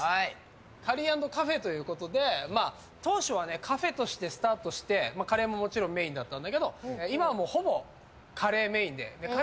カリー＆カフェということで当初はカフェとしてスタートしてカレーももちろんメインだったんだけど今はほぼカレーメインで。